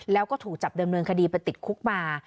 แล้วก็ถูกจับเดิมเนินคดีไปติดคุกมา